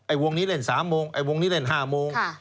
วงนี้เล่น๓โมงไอ้วงนี้เล่น๕โมง